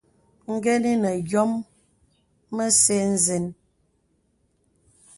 Gəni nə̀ yɔ̄m mə̄zɛ̄ zeŋ.